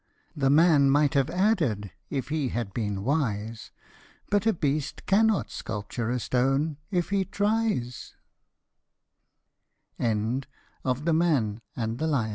The man might have added, if he had been wise, " But a beast cannot sculpture a stone if he tries" That sufficiently sh